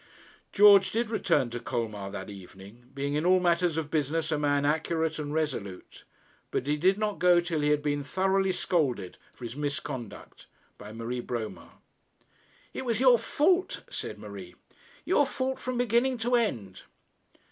George did return to Colmar that evening, being in all matters of business a man accurate and resolute; but he did not go till he had been thoroughly scolded for his misconduct by Marie Bromar. 'It was your fault,' said Marie. 'Your fault from beginning to end.'